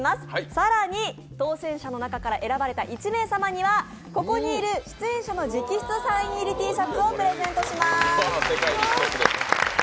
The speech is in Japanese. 更に当選者の中から選ばれた１名様には、ここにいるキャストの皆さんのサイン入りＴシャツをプレゼントいたします。